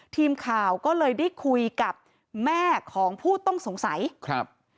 ทีมข่าวก็เลยได้คุยกับแม่ของผู้ต้องสงสัยครับ